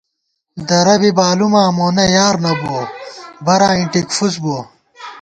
درہ بی بالُماں مونہ یار نہ بُوَہ، براں اِنٹِک فُس بُوَہ